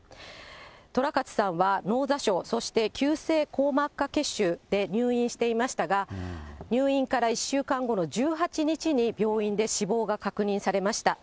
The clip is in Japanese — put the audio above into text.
とらかつさんは脳挫傷、そして急性硬膜下血腫で入院していましたが、入院から１週間後の１８日に病院で死亡が確認されました。